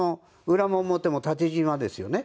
裏も表も縦じまですよね。